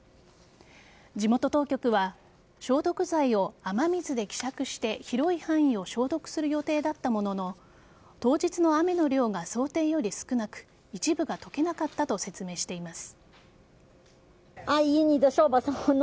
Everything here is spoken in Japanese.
地元当局は消毒剤を雨水で希釈して広い範囲を消毒する予定だったものの当日の雨の量が想定より少なく一部が溶けなかったと説明しています。